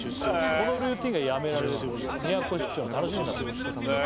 「このルーティンがやめられず宮古出張の楽しみになっています」へえ